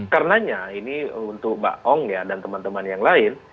karenanya ini untuk mbak ong ya dan teman teman yang lain